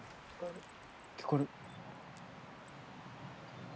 聞こえる。